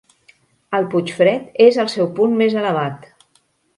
El Puigfred és el seu punt més elevat.